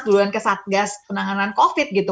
duluan ke satgas penanganan covid gitu